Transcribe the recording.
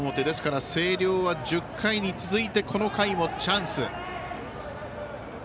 ですから、星稜は１０回に続いてこの回もチャンス。